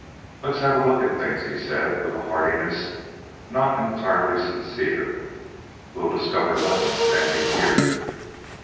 "Let's have a look at things," he said with a heartiness not entirely sincere. "We'll discover nothing standing here."